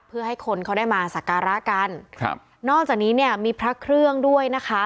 เพื่อให้คนเขาได้มาสักการะกันครับนอกจากนี้เนี่ยมีพระเครื่องด้วยนะคะ